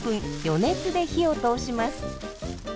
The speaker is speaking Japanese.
予熱で火を通します。